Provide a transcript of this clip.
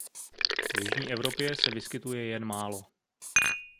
V jižní Evropě se vyskytuje jen málo.